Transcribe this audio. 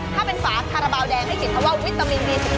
ถ้าเป็นฟ้าทาราบาลแดงให้เขียนคำว่าวิตามินดีสิบสอง